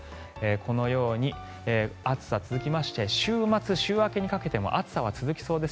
このように暑さが続きまして週末、週明けにかけても暑さは続きそうです。